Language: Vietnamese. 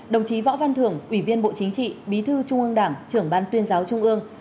đồng chí võ văn thưởng ủy viên bộ chính trị bí thư trung ương đảng trưởng ban tuyên giáo trung ương